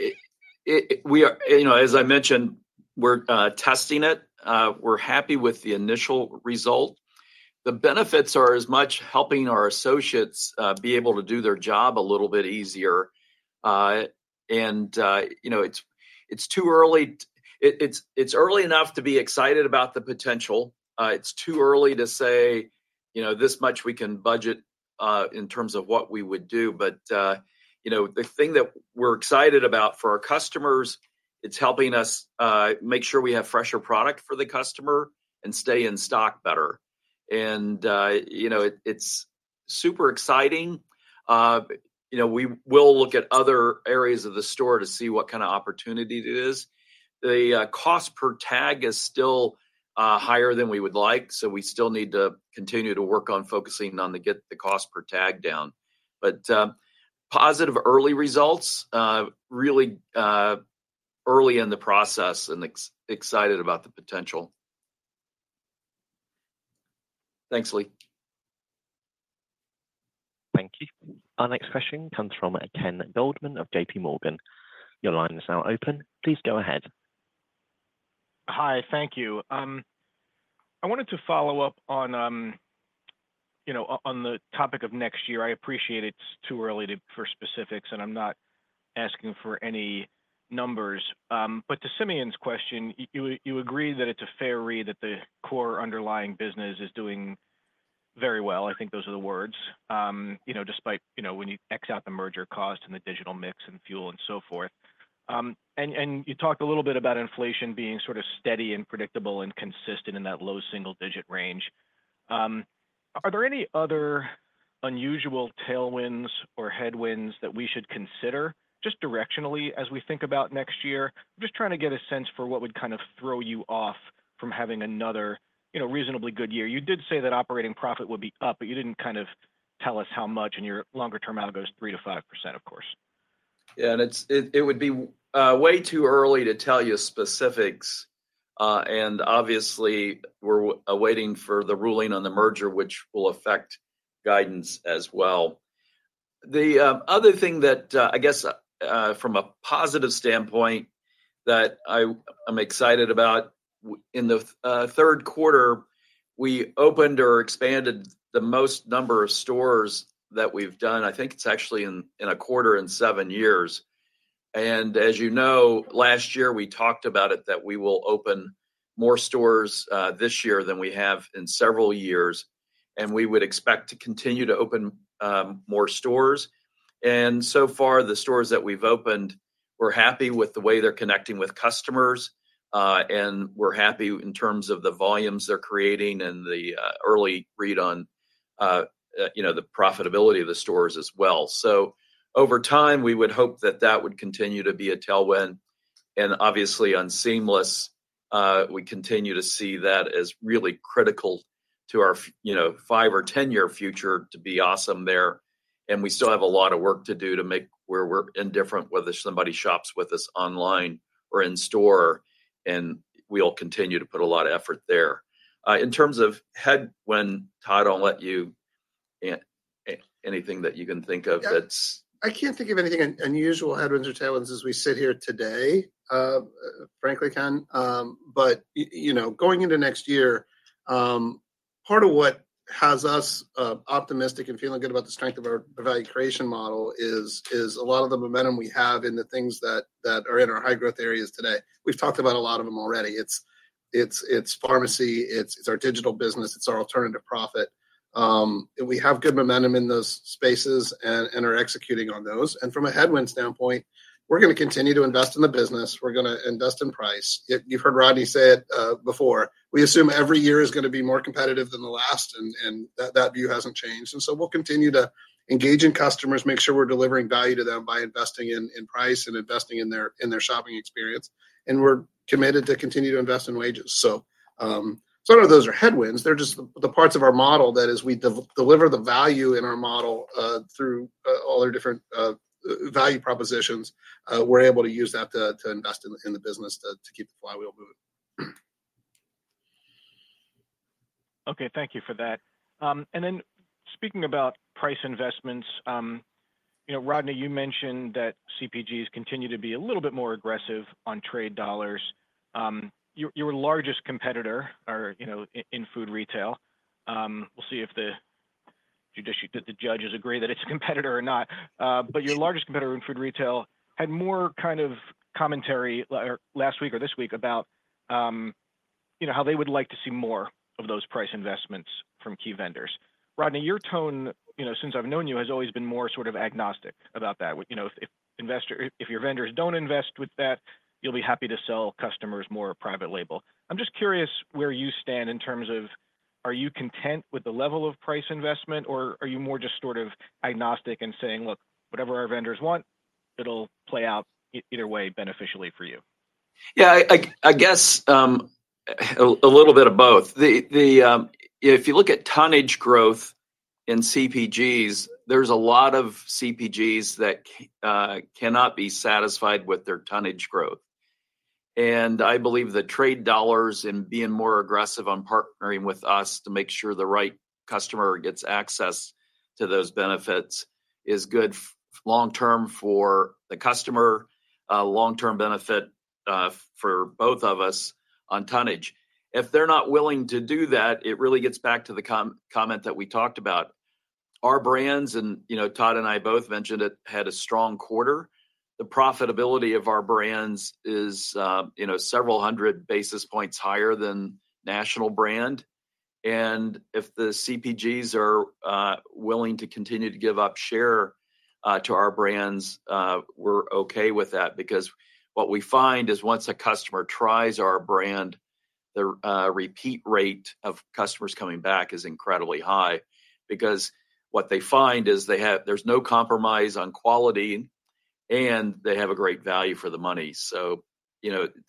as I mentioned, we're testing it. We're happy with the initial result. The benefits are as much helping our associates be able to do their job a little bit easier. And it's too early. It's early enough to be excited about the potential. It's too early to say this much we can budget in terms of what we would do. But the thing that we're excited about for our customers, it's helping us make sure we have fresher product for the customer and stay in stock better. And it's super exciting. We will look at other areas of the store to see what kind of opportunity it is. The cost per tag is still higher than we would like, so we still need to continue to work on focusing on the cost per tag down. But positive early results, really early in the process, and excited about the potential. Thanks, Lee. Thank you. Our next question comes from Ken Goldman of JPMorgan. Your line is now open. Please go ahead. Hi. Thank you. I wanted to follow up on the topic of next year. I appreciate it's too early for specifics, and I'm not asking for any numbers. But to Simeon's question, you agree that it's a fair read that the core underlying business is doing very well. I think those are the words, despite when you X out the merger cost and the digital mix and fuel and so forth. And you talked a little bit about inflation being sort of steady and predictable and consistent in that low single-digit range. Are there any other unusual tailwinds or headwinds that we should consider just directionally as we think about next year? I'm just trying to get a sense for what would kind of throw you off from having another reasonably good year. You did say that operating profit would be up, but you didn't kind of tell us how much, and your longer-term outlook is 3% to 5%, of course. Yeah. It would be way too early to tell you specifics. Obviously, we're awaiting the ruling on the merger, which will affect guidance as well. The other thing that I guess from a positive standpoint that I'm excited about, in the third quarter, we opened or expanded the most number of stores that we've done. I think it's actually in a quarter in seven years. As you know, last year, we talked about it that we will open more stores this year than we have in several years. We would expect to continue to open more stores. So far, the stores that we've opened, we're happy with the way they're connecting with customers, and we're happy in terms of the volumes they're creating and the early read on the profitability of the stores as well. Over time, we would hope that that would continue to be a tailwind. Obviously, on seamless, we continue to see that as really critical to our five or 10-year future to be awesome there. We still have a lot of work to do to make where we're indifferent whether somebody shops with us online or in store. We'll continue to put a lot of effort there. In terms of headwind, Todd, I'll let you anything that you can think of that's. I can't think of anything unusual, headwinds, or tailwinds as we sit here today, frankly, Ken. Going into next year, part of what has us optimistic and feeling good about the strength of our value creation model is a lot of the momentum we have in the things that are in our high-growth areas today. We've talked about a lot of them already. It's pharmacy. It's our digital business. It's our alternative profit. And we have good momentum in those spaces and are executing on those. And from a headwind standpoint, we're going to continue to invest in the business. We're going to invest in price. You've heard Rodney say it before. We assume every year is going to be more competitive than the last, and that view hasn't changed. And so we'll continue to engage customers, make sure we're delivering value to them by investing in price and investing in their shopping experience. And we're committed to continue to invest in wages. So some of those are headwinds. They're just the parts of our model that as we deliver the value in our model through all our different value propositions, we're able to use that to invest in the business to keep the flywheel moving. Okay. Thank you for that. And then speaking about price investments, Rodney, you mentioned that CPGs continue to be a little bit more aggressive on trade dollars. Your largest competitor in food retail - we'll see if the judges agree that it's a competitor or not - but your largest competitor in food retail had more kind of commentary last week or this week about how they would like to see more of those price investments from key vendors. Rodney, your tone, since I've known you, has always been more sort of agnostic about that. If your vendors don't invest with that, you'll be happy to sell customers more private label. I'm just curious where you stand in terms of, are you content with the level of price investment, or are you more just sort of agnostic and saying, "Look, whatever our vendors want, it'll play out either way beneficially for you"? Yeah. I guess a little bit of both. If you look at tonnage growth in CPGs, there's a lot of CPGs that cannot be satisfied with their tonnage growth. And I believe the trade dollars and being more aggressive on partnering with us to make sure the right customer gets access to those benefits is good long-term for the customer, long-term benefit for both of us on tonnage. If they're not willing to do that, it really gets back to the comment that we talked about. Our brands, and Todd and I both mentioned it, had a strong quarter. The profitability of our brands is several hundred basis points higher than national brand. And if the CPGs are willing to continue to give up share to Our Brands, we're okay with that because what we find is once a customer tries our brand, the repeat rate of customers coming back is incredibly high because what they find is there's no compromise on quality, and they have a great value for the money. So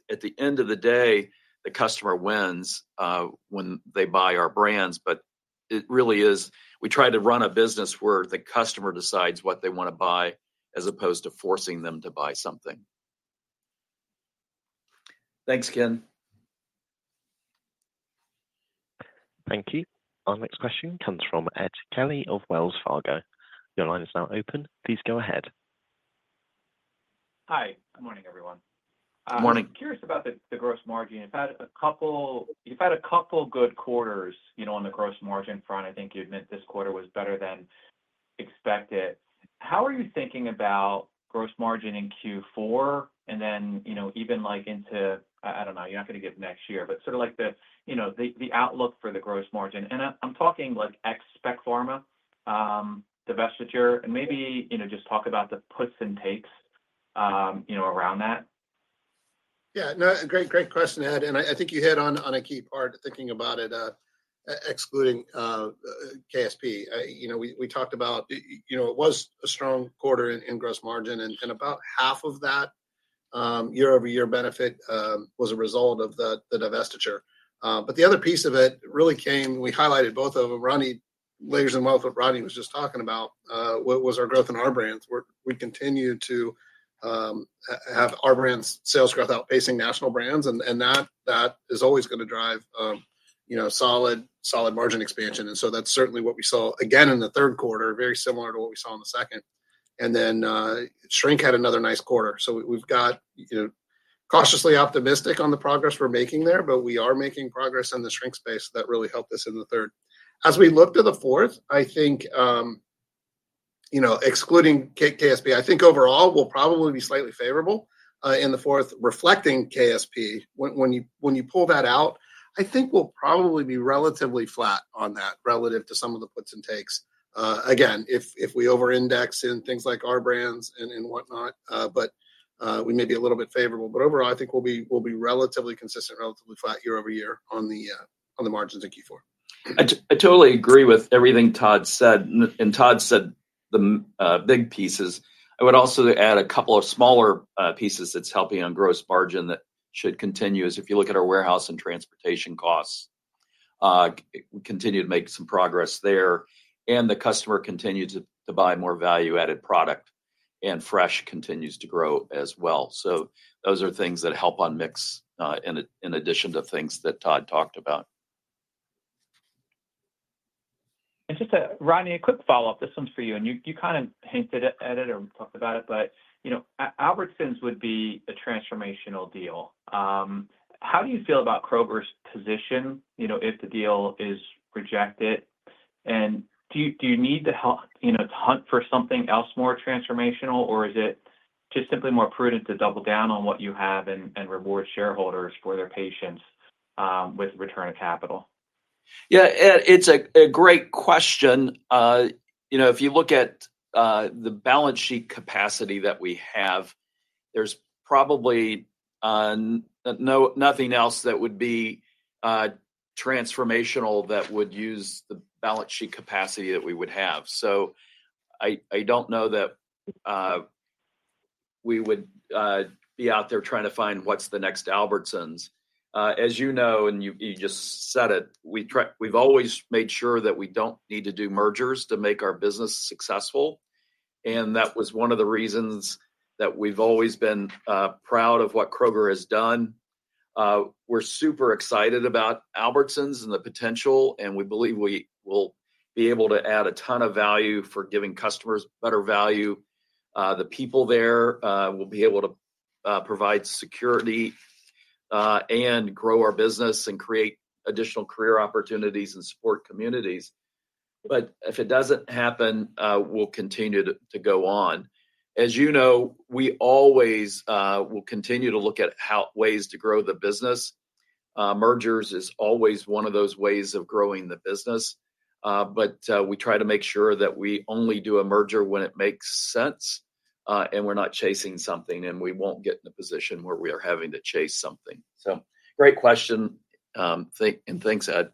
at the end of the day, the customer wins when they buy Our Brands. But it really is we try to run a business where the customer decides what they want to buy as opposed to forcing them to buy something. Thanks, Ken. Thank you. Our next question comes from Ed Kelly of Wells Fargo. Your line is now open. Please go ahead. Hi. Good morning, everyone. Good morning. I'm curious about the gross margin. You've had a couple good quarters on the gross margin front. I think you admit this quarter was better than expected. How are you thinking about gross margin in Q4 and then even into - I don't know. You're not going to give next year, but sort of the outlook for the gross margin. And I'm talking like ex Spec Pharma, the divestiture, and maybe just talk about the puts and takes around that. Yeah. No, great question, Ed. And I think you hit on a key part thinking about it, excluding KSP. We talked about it was a strong quarter in gross margin, and about half of that year-over-year benefit was a result of the divestiture. But the other piece of it really came - we highlighted both of them. Last week, what Rodney was just talking about was our growth in Our Brands. We continue to have our brands' sales growth outpacing national brands, and that is always going to drive solid margin expansion. That's certainly what we saw again in the third quarter, very similar to what we saw in the second. Shrink had another nice quarter. We've got cautiously optimistic on the progress we're making there, but we are making progress in the shrink space that really helped us in the third. As we look to the fourth, I think excluding KSP, I think overall we'll probably be slightly favorable in the fourth, reflecting KSP. When you pull that out, I think we'll probably be relatively flat on that relative to some of the puts and takes. Again, if we over-index in things like our brands and whatnot, but we may be a little bit favorable. But overall, I think we'll be relatively consistent, relatively flat year-over-year on the margins in Q4. I totally agree with everything Todd said. And Todd said the big pieces. I would also add a couple of smaller pieces that's helping on gross margin that should continue is if you look at our warehouse and transportation costs, we continue to make some progress there. And the customer continues to buy more value-added product, and fresh continues to grow as well. So those are things that help on mix in addition to things that Todd talked about. And just, Rodney, a quick follow-up. This one's for you. And you kind of hinted at it or talked about it, but Albertsons would be a transformational deal. How do you feel about Kroger's position if the deal is rejected? And do you need to hunt for something else more transformational, or is it just simply more prudent to double down on what you have and reward shareholders for their patience with return of capital? Yeah. It's a great question. If you look at the balance sheet capacity that we have, there's probably nothing else that would be transformational that would use the balance sheet capacity that we would have. So I don't know that we would be out there trying to find what's the next Albertsons. As you know, and you just said it, we've always made sure that we don't need to do mergers to make our business successful. And that was one of the reasons that we've always been proud of what Kroger has done. We're super excited about Albertsons and the potential, and we believe we will be able to add a ton of value for giving customers better value. The people there will be able to provide security and grow our business and create additional career opportunities and support communities. But if it doesn't happen, we'll continue to go on. As you know, we always will continue to look at ways to grow the business. Mergers is always one of those ways of growing the business. But we try to make sure that we only do a merger when it makes sense, and we're not chasing something, and we won't get in a position where we are having to chase something. So great question. And thanks, Ed.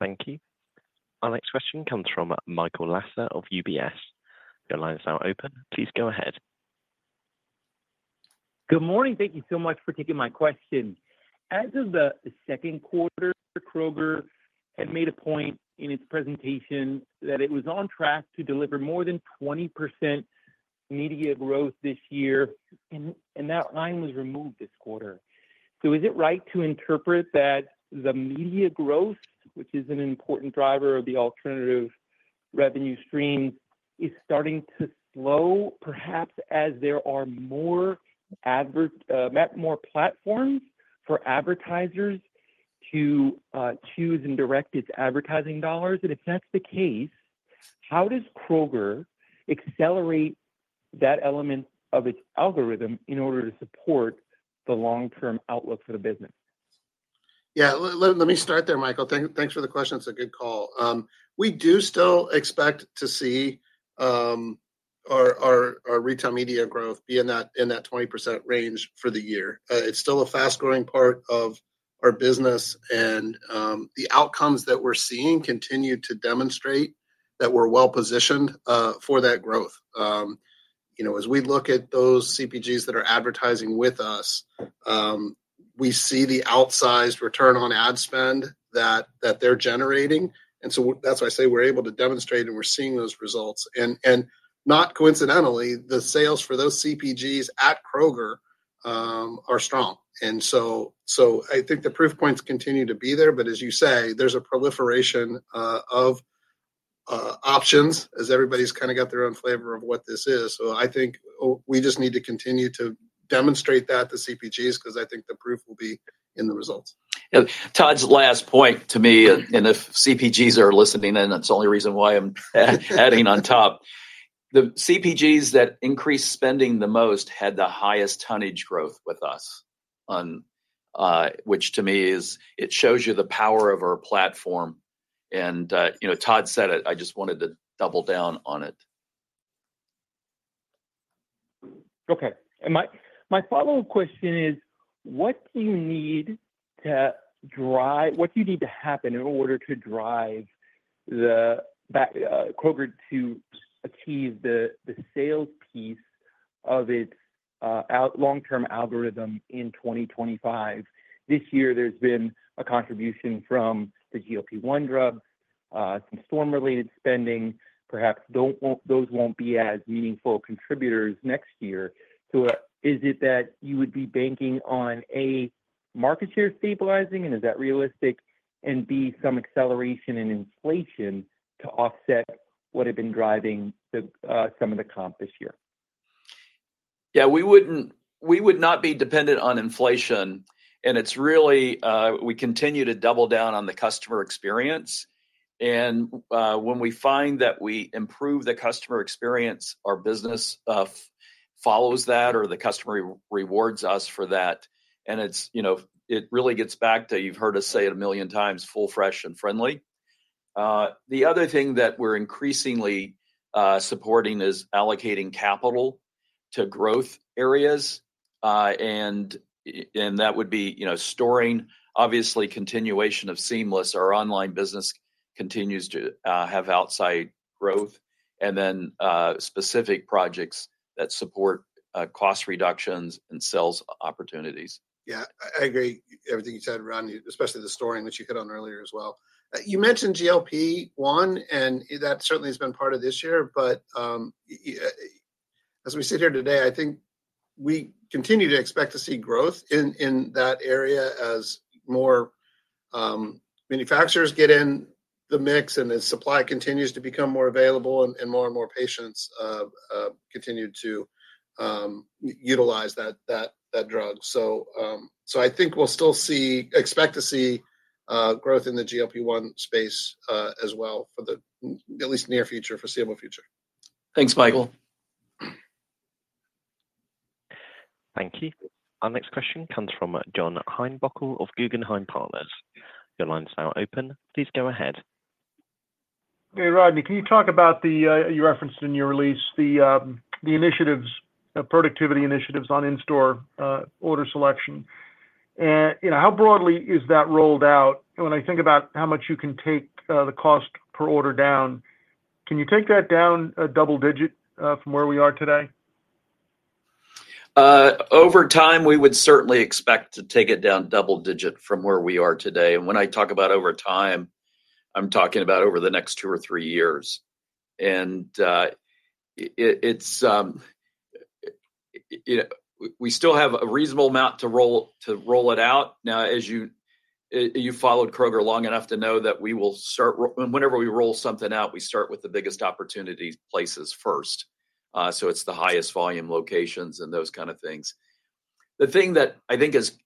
Thank you. Our next question comes from Michael Lassar of UBS. Your line is now open. Please go ahead. Good morning. Thank you so much for taking my question. As of the second quarter, Kroger had made a point in its presentation that it was on track to deliver more than 20% media growth this year, and that line was removed this quarter. So is it right to interpret that the media growth, which is an important driver of the alternative revenue stream, is starting to slow perhaps as there are more platforms for advertisers to choose and direct its advertising dollars? And if that's the case, how does Kroger accelerate that element of its algorithm in order to support the long-term outlook for the business? Yeah. Let me start there, Michael. Thanks for the question. It's a good call. We do still expect to see our retail media growth be in that 20% range for the year. It's still a fast-growing part of our business, and the outcomes that we're seeing continue to demonstrate that we're well-positioned for that growth. As we look at those CPGs that are advertising with us, we see the outsized return on ad spend that they're generating, and so that's why I say we're able to demonstrate, and we're seeing those results, and not coincidentally, the sales for those CPGs at Kroger are strong. And so I think the proof points continue to be there, but as you say, there's a proliferation of options as everybody's kind of got their own flavor of what this is, so I think we just need to continue to demonstrate that to CPGs because I think the proof will be in the results. Todd's last point to me, and if CPGs are listening, then it's the only reason why I'm adding on top. The CPGs that increased spending the most had the highest tonnage growth with us, which to me is it shows you the power of our platform, and Todd said it. I just wanted to double down on it. Okay. My follow-up question is, what do you need to drive? What do you need to happen in order to drive Kroger to achieve the sales piece of its long-term algorithm in 2025? This year, there's been a contribution from the GLP-1 drug, some storm-related spending. Perhaps those won't be as meaningful contributors next year. So is it that you would be banking on, A, market share stabilizing, and is that realistic, and B, some acceleration in inflation to offset what had been driving some of the comp this year? Yeah. We would not be dependent on inflation, and it's really we continue to double down on the customer experience. And when we find that we improve the customer experience, our business follows that, or the customer rewards us for that. And it really gets back to, you've heard us say it a million times, full, fresh, and friendly. The other thing that we're increasingly supporting is allocating capital to growth areas. And that would be storing, obviously, continuation of seamless. Our online business continues to have outside growth, and then specific projects that support cost reductions and sales opportunities. Yeah. I agree with everything you said, Rodney, especially the story in which you hit on earlier as well. You mentioned GLP-1, and that certainly has been part of this year. But as we sit here today, I think we continue to expect to see growth in that area as more manufacturers get in the mix, and the supply continues to become more available, and more and more patients continue to utilize that drug. So I think we'll still expect to see growth in the GLP-1 space as well for the at least near future, foreseeable future. Thanks, Michael. Thank you. Our next question comes from John Heinbockel of Guggenheim Partners. Your line is now open. Please go ahead. Hey, Rodney, can you talk about the productivity initiatives you referenced in your release on in-store order selection? And how broadly is that rolled out? And when I think about how much you can take the cost per order down, can you take that down a double digit from where we are today? Over time, we would certainly expect to take it down double digit from where we are today. And when I talk about over time, I'm talking about over the next two or three years. And we still have a reasonable amount to roll it out. Now, as you followed Kroger long enough to know that we will start whenever we roll something out, we start with the biggest opportunity places first. So it's the highest volume locations and those kind of things. The thing that I think is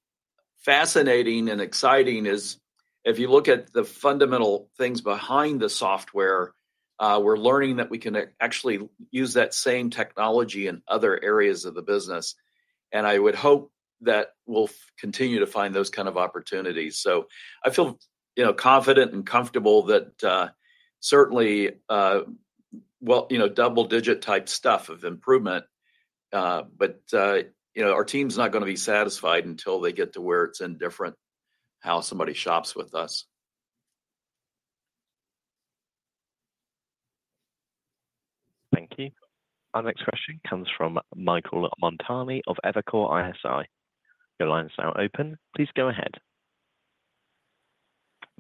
fascinating and exciting is if you look at the fundamental things behind the software, we're learning that we can actually use that same technology in other areas of the business. And I would hope that we'll continue to find those kind of opportunities. So I feel confident and comfortable that certainly, well, double-digit type stuff of improvement. But our team's not going to be satisfied until they get to where it's indifferent how somebody shops with us. Thank you. Our next question comes from Michael Montani of Evercore ISI. Your line is now open. Please go ahead.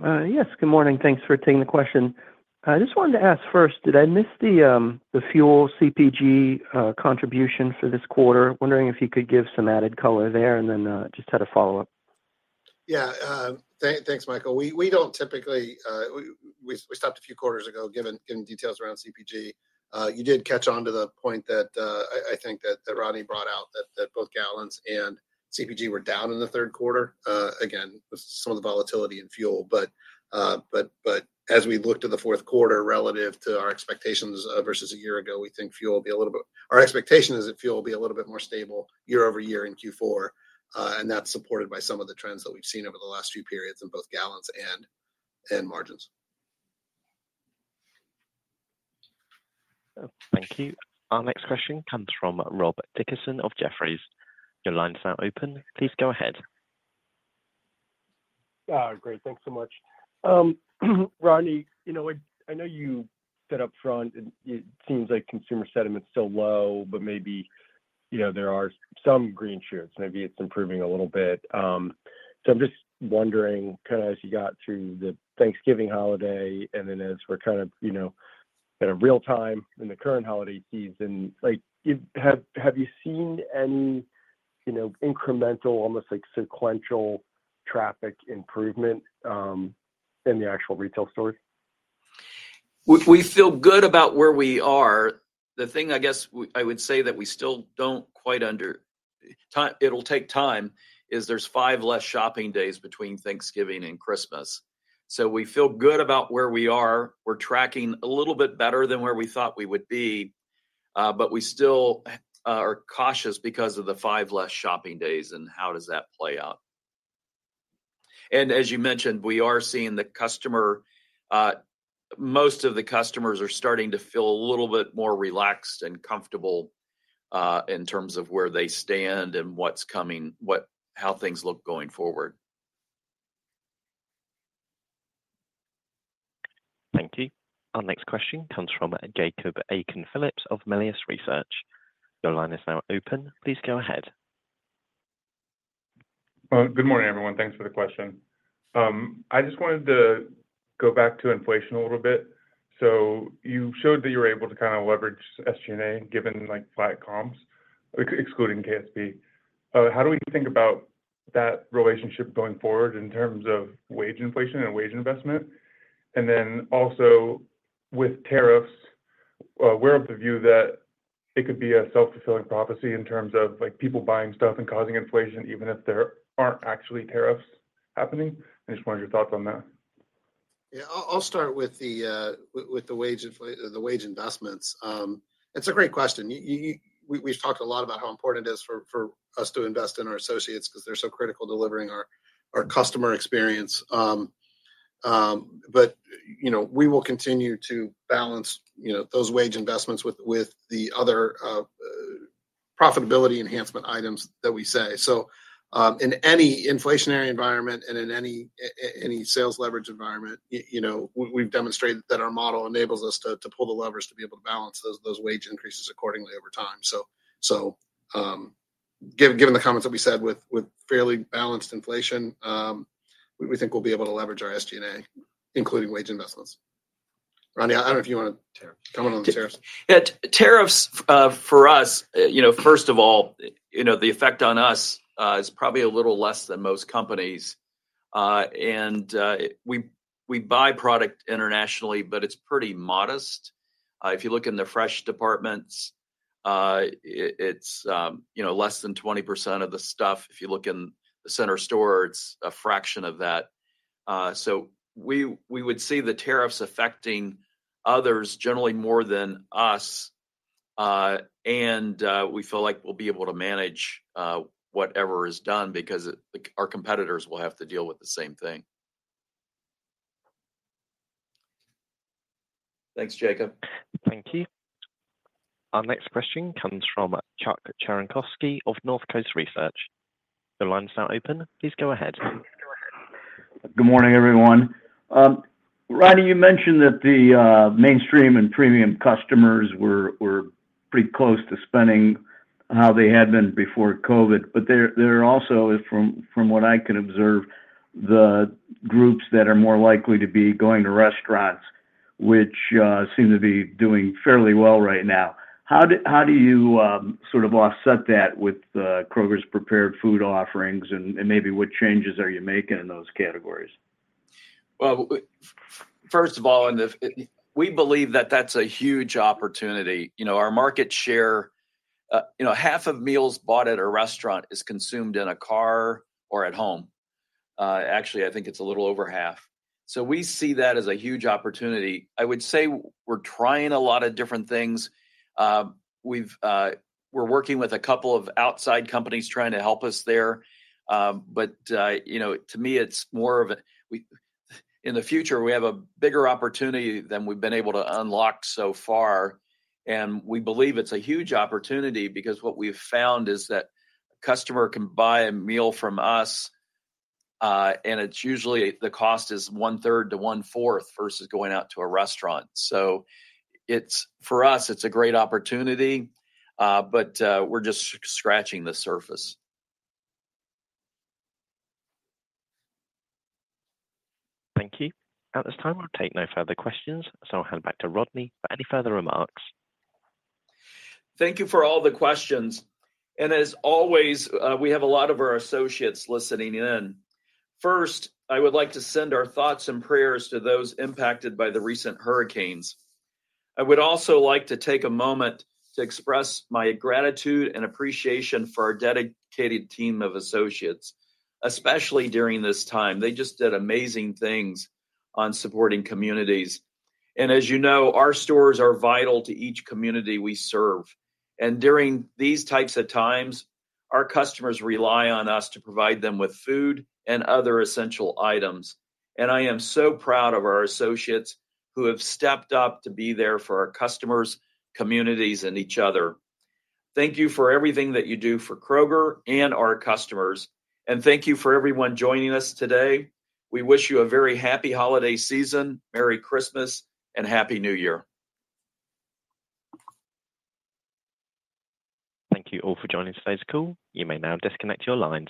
Yes. Good morning. Thanks for taking the question. I just wanted to ask first, did I miss the fuel CPG contribution for this quarter? Wondering if you could give some added color there and then just had a follow-up. Yeah. Thanks, Michael. We don't typically. We stopped a few quarters ago giving details around CPG. You did catch on to the point that I think that Rodney brought out that both gallons and CPG were down in the third quarter. Again, some of the volatility in fuel. But as we look to the fourth quarter relative to our expectations versus a year ago, we think fuel will be a little bit more stable year-over-year in Q4. That's supported by some of the trends that we've seen over the last few periods in both gallons and margins. Thank you. Our next question comes from Robert Dickerson of Jefferies. Your line is now open. Please go ahead. Great. Thanks so much. Rodney, I know you said upfront, it seems like consumer sentiment's still low, but maybe there are some green shoots. Maybe it's improving a little bit. I'm just wondering kind of as you got through the Thanksgiving holiday and then as we're kind of in real time in the current holiday season, have you seen any incremental, almost sequential traffic improvement in the actual retail stores? We feel good about where we are. The thing I guess I would say that we still don't quite understand it'll take time is there's five less shopping days between Thanksgiving and Christmas. We feel good about where we are. We're tracking a little bit better than where we thought we would be, but we still are cautious because of the five less shopping days and how does that play out. As you mentioned, we are seeing that most of the customers are starting to feel a little bit more relaxed and comfortable in terms of where they stand and how things look going forward. Thank you. Our next question comes from Jacob Aiken-Phillips of Melius Research. Your line is now open. Please go ahead. Good morning, everyone. Thanks for the question. I just wanted to go back to inflation a little bit. So you showed that you're able to kind of leverage SG&A given flat comps, excluding KSP. How do we think about that relationship going forward in terms of wage inflation and wage investment? And then also with tariffs, we're of the view that it could be a self-fulfilling prophecy in terms of people buying stuff and causing inflation even if there aren't actually tariffs happening. I just wanted your thoughts on that. Yeah. I'll start with the wage investments. It's a great question. We've talked a lot about how important it is for us to invest in our associates because they're so critical to delivering our customer experience. But we will continue to balance those wage investments with the other profitability enhancement items that we say. So in any inflationary environment and in any sales leverage environment, we've demonstrated that our model enables us to pull the levers to be able to balance those wage increases accordingly over time. So given the comments that we said with fairly balanced inflation, we think we'll be able to leverage our SG&A, including wage investments. Rodney, I don't know if you want to comment on the tariffs. Yeah. Tariffs for us, first of all, the effect on us is probably a little less than most companies. And we buy product internationally, but it's pretty modest. If you look in the fresh departments, it's less than 20% of the stuff. If you look in the center store, it's a fraction of that. So we would see the tariffs affecting others generally more than us. And we feel like we'll be able to manage whatever is done because our competitors will have to deal with the same thing. Thanks, Jacob. Thank you. Our next question comes from Chuck Cerankosky of North Coast Research. Your line is now open. Please go ahead. Good morning, everyone. Rodney, you mentioned that the mainstream and premium customers were pretty close to spending how they had been before COVID. But there are also, from what I can observe, the groups that are more likely to be going to restaurants, which seem to be doing fairly well right now. How do you sort of offset that with Kroger's prepared food offerings? And maybe what changes are you making in those categories? Well, first of all, we believe that that's a huge opportunity. Our market share. Half of meals bought at a restaurant is consumed in a car or at home. Actually, I think it's a little over half. So we see that as a huge opportunity. I would say we're trying a lot of different things. We're working with a couple of outside companies trying to help us there. But to me, it's more of a in the future, we have a bigger opportunity than we've been able to unlock so far. And we believe it's a huge opportunity because what we've found is that a customer can buy a meal from us, and it's usually the cost is one-third to one-fourth versus going out to a restaurant. So for us, it's a great opportunity, but we're just scratching the surface. Thank you. At this time, we'll take no further questions. So I'll hand back to Rodney for any further remarks. Thank you for all the questions. And as always, we have a lot of our associates listening in. First, I would like to send our thoughts and prayers to those impacted by the recent hurricanes. I would also like to take a moment to express my gratitude and appreciation for our dedicated team of associates, especially during this time. They just did amazing things on supporting communities. And as you know, our stores are vital to each community we serve. And during these types of times, our customers rely on us to provide them with food and other essential items. And I am so proud of our associates who have stepped up to be there for our customers, communities, and each other. Thank you for everything that you do for Kroger and our customers. And thank you for everyone joining us today. We wish you a very happy holiday season, Merry Christmas, and Happy New Year. Thank you all for joining today's call. You may now disconnect your lines.